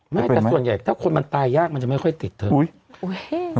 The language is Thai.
ไม่แต่ส่วนใหญ่ถ้าคนมันตายยากมันจะไม่ค่อยติดเถอะ